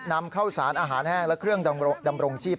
นำเข้าสารอาหารแห้งและเครื่องดำรงชีพ